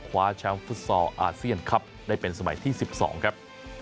คว้าแชมป์ฟุตซอลอาเซียนคลับได้เป็นสมัยที่๑๒ครับ